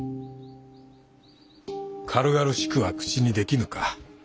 軽々しくは口にできぬか。